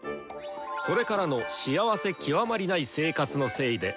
それからの幸せ極まりない生活のせいで。